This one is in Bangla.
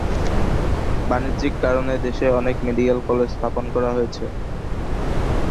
বাণিজ্যিক কারণে দেশে অনেক মেডিকেল কলেজ স্থাপন করা হয়েছে।